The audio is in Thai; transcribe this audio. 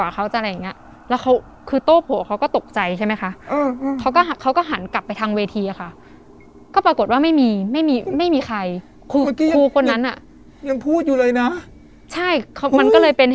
ก็ตอนแรกทุกคนเขาก็เห็น